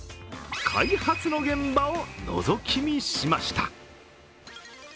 開発の現場をのぞき見しました。